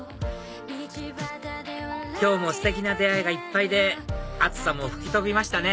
今日もステキな出会いがいっぱいで熱さも吹き飛びましたね